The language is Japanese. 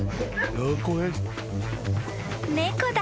［猫だ。